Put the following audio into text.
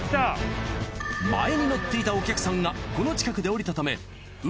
前に乗っていたお客さんがこの近くで降りたため運